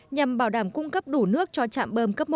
nhằm bảo đảm cung cấp đủ nước cho trạm bơm cấp một